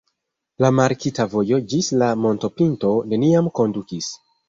La markita vojo ĝis la montopinto neniam kondukis.